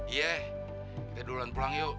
iya kita duluan pulang yuk